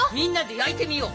焼いてみよう！